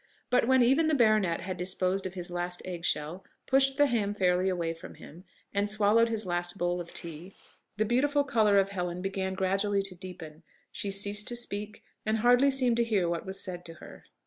But when even the baronet had disposed of his last egg shell, pushed the ham fairly away from him, and swallowed his last bowl of tea, the beautiful colour of Helen began gradually to deepen; she ceased to speak, and hardly seemed to hear what was said to her.